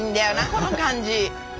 この感じ。